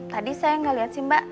tadi saya nggak lihat sih mbak